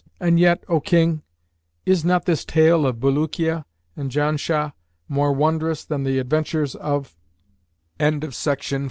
[FN#578] And yet, O King, is not this tale of Bulukiya and Janshah more wondrous than the adventures of End of Volume V.